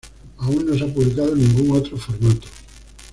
Aún no se ha publicado en ningún otro formato.